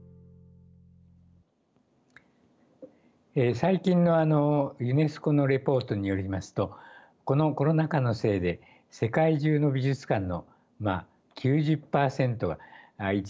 最近のユネスコのレポートによりますとこのコロナ禍のせいで世界中の美術館の９０％が一時閉館を余儀なくされたと伝えております。